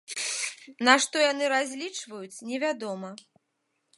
На што яны разлічваюць, невядома.